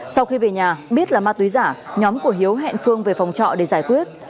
sau khi về nhà biết là ma túy giả nhóm của hiếu hẹn phương về phòng trọ để giải quyết